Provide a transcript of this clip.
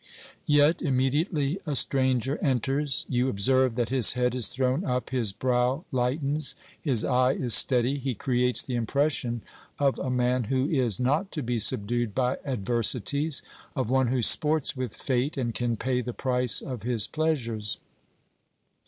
Yet immediately a stranger enters, you observe that his head is thrown up, his brow lightens, his eye is steady, he creates the impression of a man who is not to be subdued by adversities, of one who sports with fate and can pay the price of his pleasures.